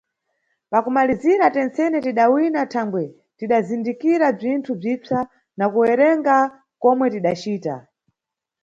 Pakumalizira, tentsene tidawina thangwe tidazindikira bzinthu bzipsa na kuwerenga komwe tidacita.